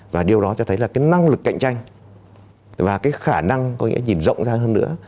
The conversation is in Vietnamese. và điều đó cho thấy là năng lực cạnh tranh và khả năng nhìn rộng ra hơn nữa